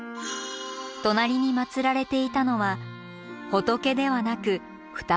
隣に祀られていたのは仏ではなく双子の神。